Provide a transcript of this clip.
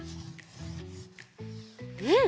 うん。